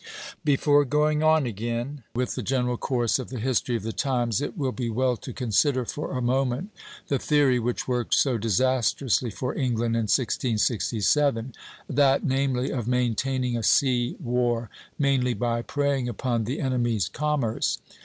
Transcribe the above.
Before going on again with the general course of the history of the times, it will be well to consider for a moment the theory which worked so disastrously for England in 1667; that, namely, of maintaining a sea war mainly by preying upon the enemy's commerce.